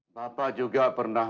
bapak juga pernah